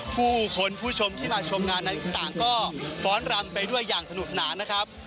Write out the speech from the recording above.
ผู้คนผู้ชมที่มาชมงานนั้นต่างก็ฟ้อนรำไปด้วยอย่างสนุกสนานนะครับ